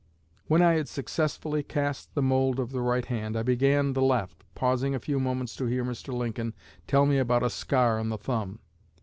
When I had successfully cast the mould of the right hand, I began the left, pausing a few moments to hear Mr. Lincoln tell me about a scar on the thumb.